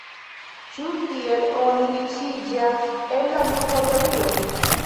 Ĉu tiel oni riĉiĝas el la ludo-teorio?